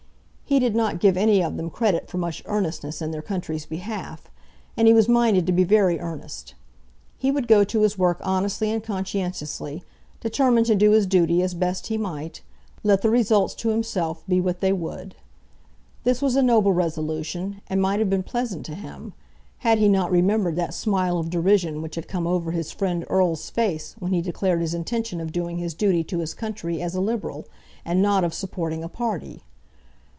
He did not give any of them credit for much earnestness in their country's behalf, and he was minded to be very earnest. He would go to his work honestly and conscientiously, determined to do his duty as best he might, let the results to himself be what they would. This was a noble resolution, and might have been pleasant to him, had he not remembered that smile of derision which had come over his friend Erle's face when he declared his intention of doing his duty to his country as a Liberal, and not of supporting a party.